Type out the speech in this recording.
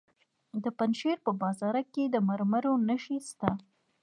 د پنجشیر په بازارک کې د مرمرو نښې شته.